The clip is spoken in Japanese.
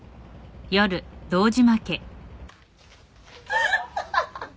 アハハハハ。